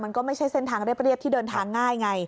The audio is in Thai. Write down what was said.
มันก็ไม่ใช่เส้นทางเรียบที่เดินทางง่ายไง